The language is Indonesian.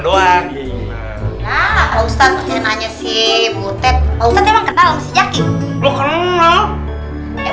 nah kalau ustadz mau tanya nanya sih